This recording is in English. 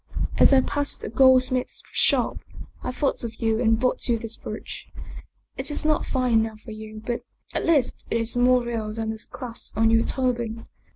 As I passed the gold smith's shop, I thought of you and bought you this brooch. It is not fine enough for you, but at least it is more real than the clasp on your turban.